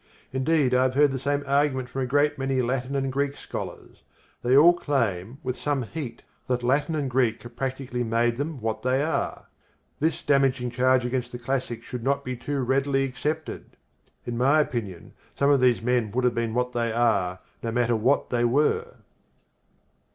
Indeed I have heard the same argument from a great many Latin and Greek scholars. They all claim, with some heat, that Latin and Greek have practically made them what they are. This damaging charge against the classics should not be too readily accepted. In my opinion some of these men would have been what they are, no matter what they were.